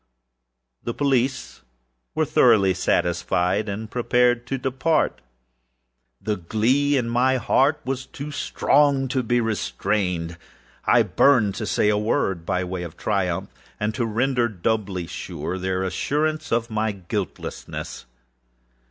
The police were thoroughly satisfied and prepared to depart. The glee at my heart was too strong to be restrained. I burned to say if but one word, by way of triumph, and to render doubly sure their assurance of my guiltlessness.